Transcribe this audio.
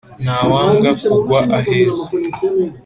Ntawanga kugwa aheza.